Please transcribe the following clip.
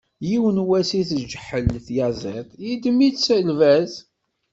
Yiwen wass i tgeḥḥel tyaẓiḍt, yeddem-itt lbaz.